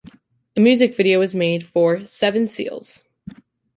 A music video was made for "Seven Seals".